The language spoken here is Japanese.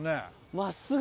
真っすぐ。